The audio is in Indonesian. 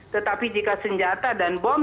tetapi jika senjata dan bom